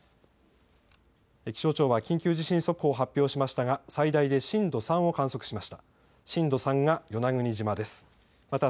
気象庁は緊急地震速報を発表しましたが最大で震度３を観測しました。